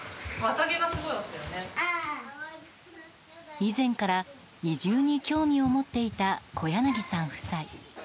以前から移住に興味を持っていた小柳さん夫妻。